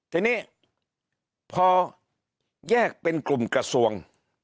ทีนี้พอแยกเป็นกลุ่มกระทรวง